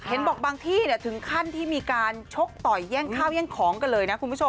เห็นบอกบางที่ถึงขั้นที่มีการชกต่อยแย่งข้าวแย่งของกันเลยนะคุณผู้ชม